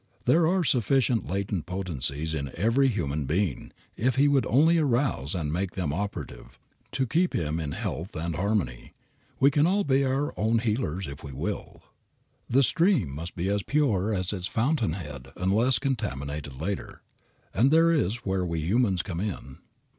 There are sufficient latent potencies in every human being, if he would only arouse and make them operative, to keep him in health and harmony. We can all be our own healers if we will. The stream must be as pure as its fountain head unless contaminated later, and there is where we humans come in.